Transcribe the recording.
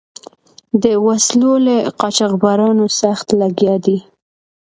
د وسلو له قاچبرانو سخت لګیا دي.